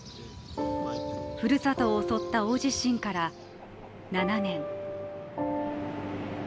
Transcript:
ふるさとを襲った大地震から、７年。